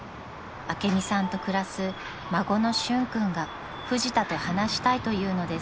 ［朱美さんと暮らす孫の俊君がフジタと話したいというのです］